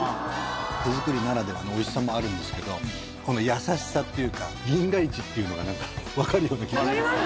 手作りならではのおいしさもあるんですけどこのやさしさっていうか銀河いちっていうのが分かるような気がします。